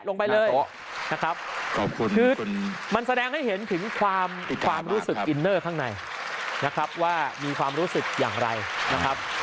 ลงไปเลยนะครับขอบคุณคือมันแสดงให้เห็นถึงความความรู้สึกอินเนอร์ข้างในนะครับว่ามีความรู้สึกอย่างไรนะครับ